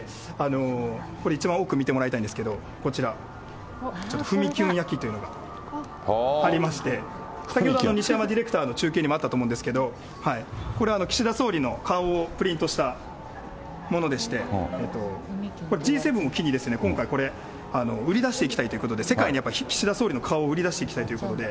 これ、一番奥、見てもらいたいんですけれども、こちら、ちょっとふみきゅん焼きというのがありまして、先ほど西山ディレクターの中継にもあったと思うんですけれども、これ岸田総理の顔をプリントしたものでして、これ、Ｇ７を機に、今回これ、売り出していきたいということで、世界にやっぱり、岸田総理の顔を売り出していきたいということで。